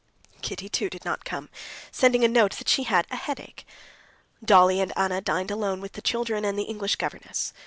Kitty, too, did not come, sending a note that she had a headache. Dolly and Anna dined alone with the children and the English governess.